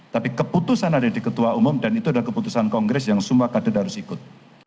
tapi keputusan ada di ketua umum dan itu adalah keputusan kongres yang semua kader harus ikut